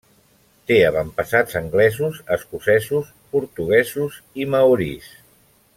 Té avantpassats anglesos, escocesos, portuguesos i maoris.